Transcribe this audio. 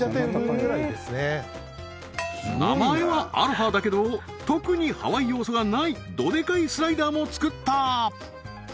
名前はアロハだけど特にハワイ要素がないどでかいスライダーも造った！